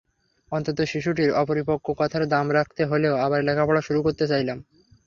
অন্তত শিশুটির অপরিপক্ব কথার দাম রাখতে হলেও আবার লেখাপড়া শুরু করতে চাইলাম।